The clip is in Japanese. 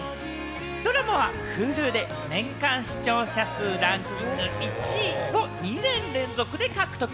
ドラマはＨｕｌｕで年間視聴者数ランキング１位を２年連続で獲得。